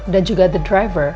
dan juga penjaga